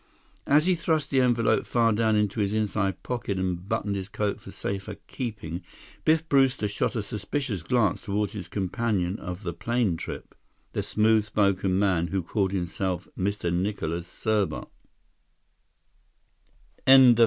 As he thrust the envelope far down into his inside pocket and buttoned his coat for safer keeping, Biff Brewster shot a suspicious glance toward his companion of the plane trip, the smooth spoken man who called himself Nicholas Serbot.